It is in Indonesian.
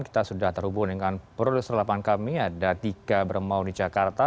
kita sudah terhubung dengan produser lapangan kami ada tiga bermau di jakarta